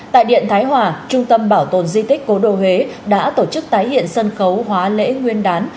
tại điện thái hòa trung tâm bảo tồn di tích cố đô huế đã tổ chức tái hiện sân khấu hóa lễ nguyên đán